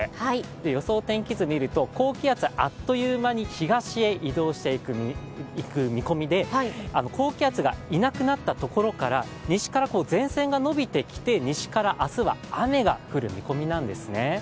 予想天気図を見ると高気圧、あっという間に東に移動していく見込みで高気圧がいなくなったところから西から前線が伸びてきて西から明日は雨が降る見込みなんですね。